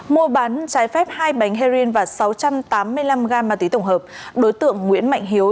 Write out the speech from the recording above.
mua bán trái phép hai bánh heroin và sáu trăm tám mươi năm gam ma túy tổng hợp đối tượng nguyễn mạnh hiếu